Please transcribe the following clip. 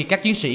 các chiến sĩ